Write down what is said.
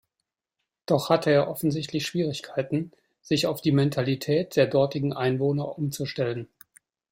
Doch hatte er offensichtlich Schwierigkeiten, sich auf die Mentalität der dortigen Einwohner umzustellen.